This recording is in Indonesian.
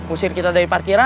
usir kita dari parkiran